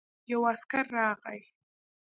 يو عسکر راغی.